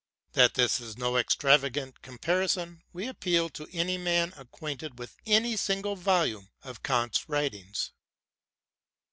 That this is no extravagant comparison, we appeal to any man ac quainted with any single volume of Kant's writings.